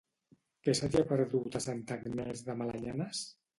Què se t'hi ha perdut a Santa Agnès de Malanyanes?